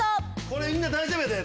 これみんな大丈夫やで。